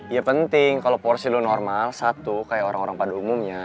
ya penting kalau porsi lo normal satu kayak orang orang pada umumnya